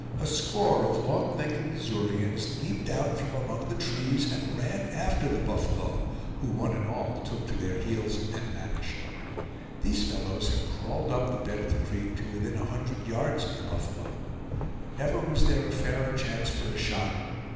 A score of long legged Missourians leaped out from among the trees and ran after the buffalo, who one and all took to their heels and vanished. These fellows had crawled up the bed of the Creek to within a hundred yards of the buffalo. Never was there a fairer chance for a shot.